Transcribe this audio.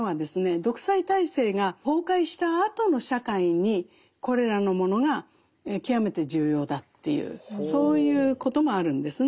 独裁体制が崩壊したあとの社会にこれらのものが極めて重要だというそういうこともあるんですね。